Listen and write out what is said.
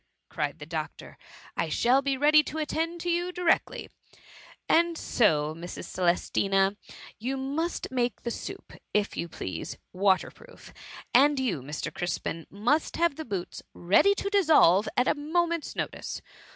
'' cried the doctor, " I shall be ready to attend to you directly :— ^and so, Mrs. Celestina, you must make the soup, if you please, water proof ; and you, Mr. Crispin, must have the boots ready to dissolve, at a moment's notice.